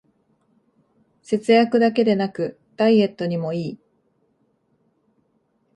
節約だけでなくダイエットにもいい